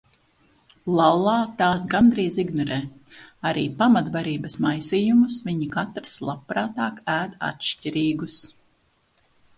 Lallā tās gandrīz ignorē. arī pamatbarības maisījumus viņi katrs labprātāk ēd atšķirīgus.